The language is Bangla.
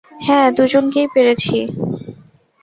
হ্যাঁ, দুজনকেই পেয়েছি।